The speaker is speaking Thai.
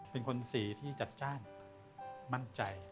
เป็นคนสีที่จัดจ้านมั่นใจ